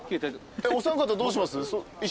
お三方どうします？